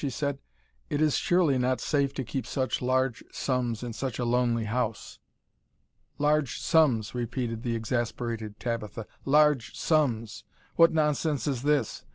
she said; "it is surely not safe to keep such large sums in such a lonely house." "Large sums!" repeated the exasperated Tabitha, "large sums! what nonsense is this?